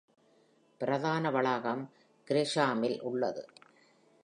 பிரதான வளாகம் கிரெஷாமில் உள்ளது.